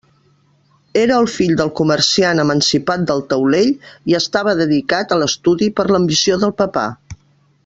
Era el fill del comerciant emancipat del taulell, i estava dedicat a l'estudi per l'ambició del papà.